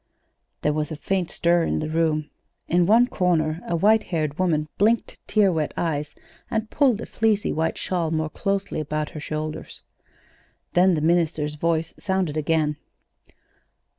There was a faint stir in the room. In one corner a white haired woman blinked tear wet eyes and pulled a fleecy white shawl more closely about her shoulders. Then the minister's voice sounded again.